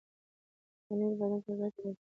پنېر بدن ته ګټه رسوي.